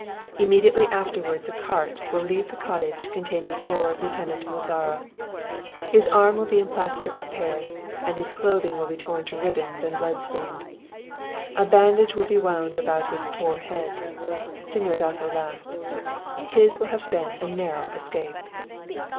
Immediately afterwards a cart will leave the cottage containing poor Lieutenant Mozara. His arm will be in plaster of Paris, and his clothing will be torn to ribbons and blood stained. A bandage will be wound around his poor head." Señor Dasso laughed. "His will have been a narrow escape.